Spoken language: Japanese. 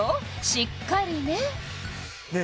しっかりねねえ